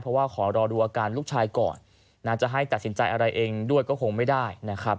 เพราะว่าขอรอดูอาการลูกชายก่อนนะจะให้ตัดสินใจอะไรเองด้วยก็คงไม่ได้นะครับ